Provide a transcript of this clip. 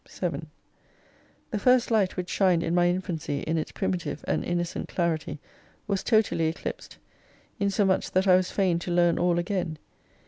7 The first Light which shined in my Infancy in its primitive and innocent clarity was totally eclipsed : insomuch that I was fain to learn all again.